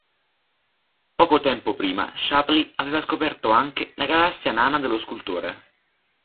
Poco tempo prima Shapley aveva scoperto anche la Galassia Nana dello Scultore.